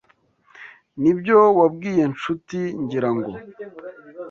Nibyo wabwiye Nshuti, ngira ngo.